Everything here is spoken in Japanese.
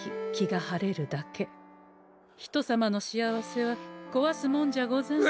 人様の幸せはこわすもんじゃござんせん。